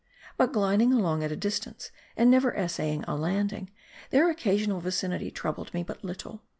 But gliding along at a distance, and never essay ing a landing, their occasional vicinity troubled me but little.